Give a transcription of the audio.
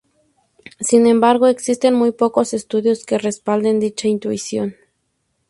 Sin embargo, existen muy pocos estudios que respalden dicha intuición.